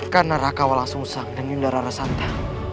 karena raka walah sungsang dan yudhara rasanta